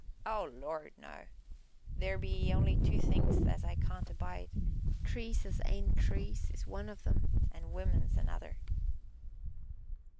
"Oh, Lord, no! Theer be only two things as I can't abide trees as ain't trees is one on em, an' women's t' other."